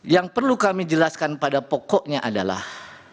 yang perlu kami jelaskan pada pokoknya adalah